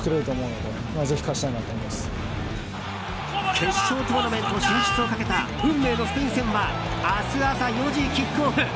決勝トーナメント進出をかけた運命のスペイン戦は明日朝４時キックオフ。